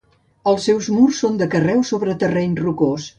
Els seus murs són de carreu sobre terreny rocós.